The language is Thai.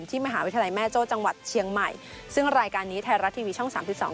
มหาวิทยาลัยแม่โจ้จังหวัดเชียงใหม่ซึ่งรายการนี้ไทยรัฐทีวีช่องสามสิบสอง